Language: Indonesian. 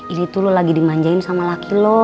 ini tuh lo lagi dimanjain sama laki loh